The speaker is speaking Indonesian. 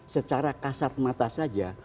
secara kasat mata saja